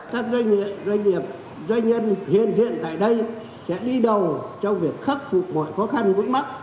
các doanh nghiệp doanh nhân hiện diện tại đây sẽ đi đầu trong việc khắc phục mọi khó khăn vững mắc